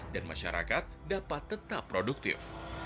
dan masyarakat dapat tetap produktif